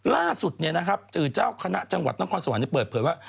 ล่าสุดเนี่ยนะครับหรือเจ้าคณะจังหวัดน้องคอนสวรรค์จะเปิดเผยว่า